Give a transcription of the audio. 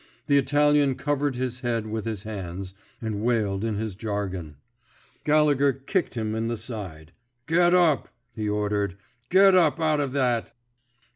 The Italian covered his head with his hands, and wailed in his jargon. Gallegher kicked him in the side. Get up,'' he or dered. Get up out of that."